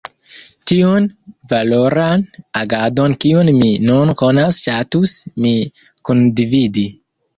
Tiun valoran agadon kiun mi nun konas ŝatus mi kundividi.